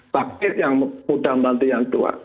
pake yang mudah membantu yang tua